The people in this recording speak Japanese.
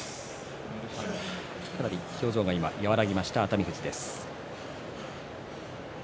表情が和らぎました熱海富士です。